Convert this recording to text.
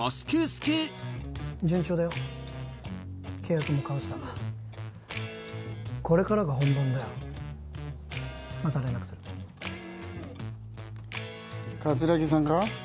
順調だよ契約も交わしたこれからが本番だよまた連絡する桂木さんか？